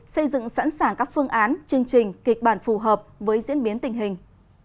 xây dựng sẵn sàng các phương án chương trình kịch bản phù hợp với diễn biến tình hình